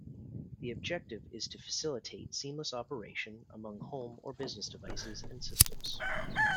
The objective is to facilitate seamless operation among home or business devices and systems.